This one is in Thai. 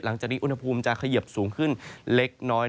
หลังจากนี้อุณหภูมิจะเขยิบสูงขึ้นเล็กน้อย